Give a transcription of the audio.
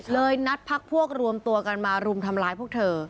นัดพักพวกรวมตัวกันมารุมทำร้ายพวกเธอ